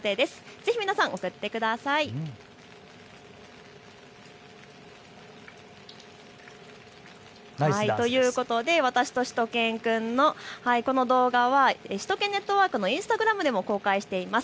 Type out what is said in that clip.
ぜひ皆さん送ってください。ということで私としゅと犬くんのこの動画は首都圏ネットワークのインスタグラムでも公開しています。